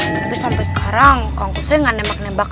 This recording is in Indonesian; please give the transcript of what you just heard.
tapi sampai sekarang kang kusoy nggak nembak nembak aku